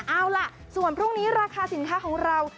เอาล่ะส่วนพรุ่งนี้ราคาสินค้าของเรา